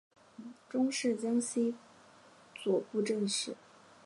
终仕江西左布政使。